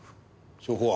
証拠は？